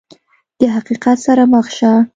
د حقیقت سره مخ شه !